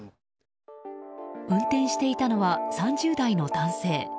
運転していたのは３０代の男性。